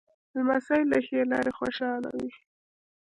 لمسی له ښې لاره خوشحاله وي.